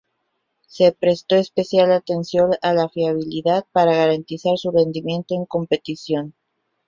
Se prestó especial atención a la fiabilidad para garantizar su rendimiento en competición.